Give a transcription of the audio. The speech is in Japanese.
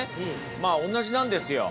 まあおんなじなんですよ。